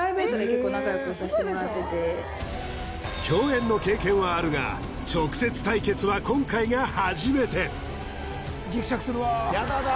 共演の経験はあるが直接対決は今回が初めてやだな